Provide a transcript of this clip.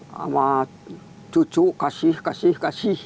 sama cucu kasih kasih